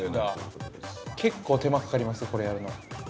◆結構手間がかかりますか、これやるの。